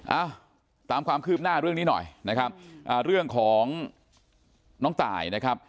เอ้าตามความคืบหน้าเรื่องนี้หน่อยนะครับอ่าเรื่องของน้องตายนะครับ